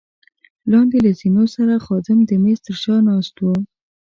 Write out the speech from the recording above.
لاندې له زینو سره خادم د مېز تر شا ناست وو.